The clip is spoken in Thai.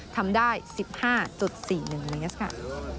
ทำได้๑๕๔๑เมตรค่ะ